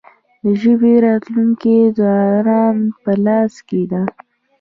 د ژبې راتلونکې د ځوانانو په لاس کې ده.